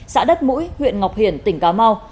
xã đất mũi huyện ngọc hiển tỉnh cà mau